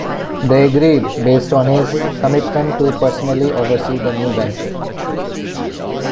They agreed, based on his commitment to personally oversee the new venture.